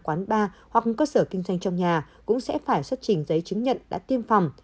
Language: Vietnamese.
quán bar hoặc cơ sở kinh doanh trong nhà cũng sẽ phải xuất trình giấy chứng nhận đã tiêm phòng